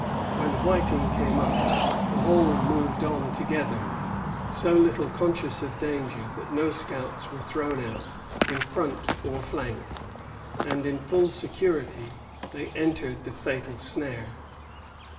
When Whiting came up, the whole moved on together, so little conscious of danger that no scouts were thrown out in front or flank; and, in full security, they entered the fatal snare.